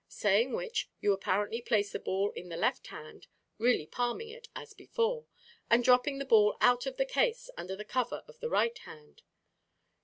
Saying which, you apparently place the ball in the left hand, really palming it as before, and dropping the ball out of the case under the cover of the right hand.